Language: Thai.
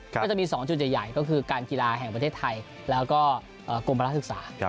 ก็จะมี๒จุดใหญ่ก็คือการกีฬาแห่งประเทศไทยแล้วก็กรมภาระศึกษา